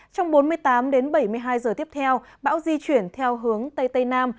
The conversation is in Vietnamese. trong bốn mươi tám đến bảy mươi hai giờ tiếp theo bão di chuyển theo hướng tây tây nam